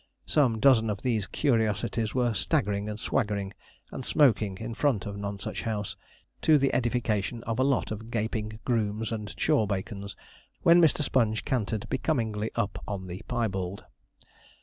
Some dozen of these curiosities were staggering, and swaggering, and smoking in front of Nonsuch House, to the edification of a lot of gaping grooms and chawbacons, when Mr. Sponge cantered becomingly up on the piebald.